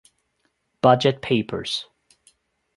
Budget Papers